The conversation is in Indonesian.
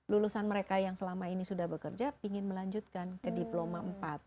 lulusan mereka yang selama ini sudah bekerja ingin melanjutkan ke diploma empat